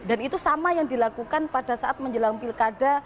dan itu sama yang dilakukan pada saat menjelang pilkada